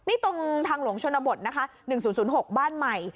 นี่ตรงทางหลวงชนบทนะคะหนึ่งศูนย์ศูนย์หกบ้านใหม่